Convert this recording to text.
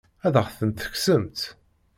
Ad aɣ-ten-tekksemt?